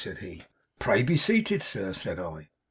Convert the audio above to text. said he. "Pray be seated, sir," said I.